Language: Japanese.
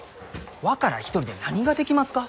若らあ一人で何ができますか？